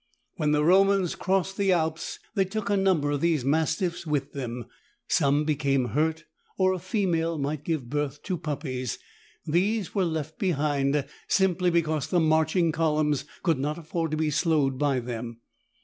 When the Romans crossed the Alps, they took a number of these mastiffs with them. Some became hurt, or a female might give birth to puppies. These were left behind, simply because the marching columns could not afford to be slowed by them.